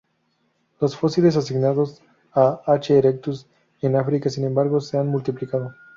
Los fósiles asignados a "H. erectus" en África, sin embargo, se han multiplicado.